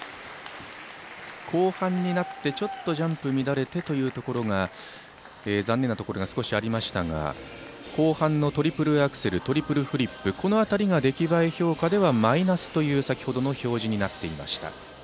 後半になって、ちょっとジャンプ乱れてという残念なところが少しありましたが後半のトリプルアクセルトリプルフリップこの辺りが出来栄え評価ではマイナスという先ほどの表示になっていました。